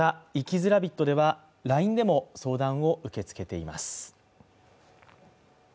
づらびっとではＬＩＮＥでも相談を受け付けています。